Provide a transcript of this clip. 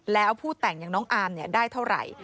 แล้วผู้แต่งอย่างน้องอาร์มได้เท่าไหร่